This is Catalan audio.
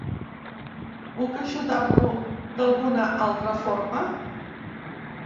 Puc ajudar-lo d'alguna altra forma?